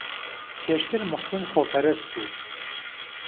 پێشتر موحسین خۆپەرست بوو.